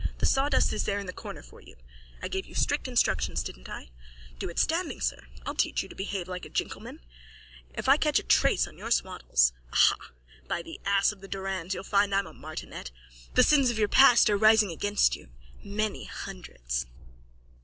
The sawdust is there in the corner for you. I gave you strict instructions, didn't I? Do it standing, sir! I'll teach you to behave like a jinkleman! If I catch a trace on your swaddles. Aha! By the ass of the Dorans you'll find I'm a martinet. The sins of your past are rising against you. Many. Hundreds.